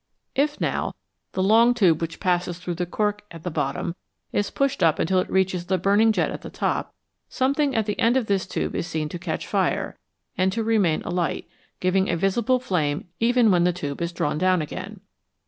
If, now, the long tube which passes through the cork at the bottom is pushed up until it reaches the burning jet at the top, something at the end of this tube is seen to catch fire, and to remain alight, giving a visible flame even when the tube is drawn down again.